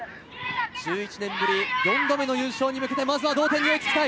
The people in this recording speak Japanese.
１１年ぶり４度目の優勝に向けてまずは同点に追いつきたい。